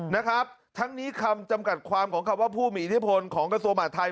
นะครับทั้งนี้คำจำกัดความของคำว่าผู้มีอิทธิพลของกระทรวงมหาดไทย